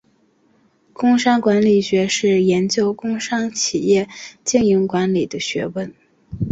工商管理学是研究工商企业经营管理的学问。